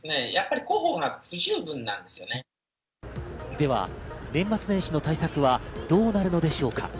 では年末年始の対策はどうなるのでしょうか。